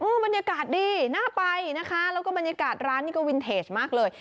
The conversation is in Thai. บรรยากาศดีน่าไปนะคะแล้วก็บรรยากาศร้านนี่ก็วินเทจมากเลย